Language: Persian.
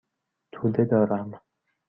توده دارم.